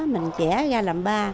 mình trẻ ra làm ba